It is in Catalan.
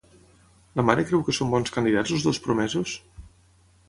La mare creu que són bons candidats els dos promesos?